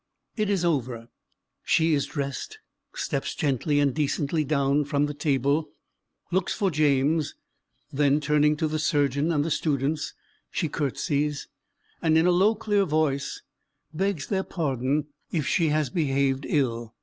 It is over: she is dressed, steps gently and decently down from the table, looks for James; then, turning to the surgeon and the students, she curtsies and in a low, clear voice, begs their pardon if she has behaved ill.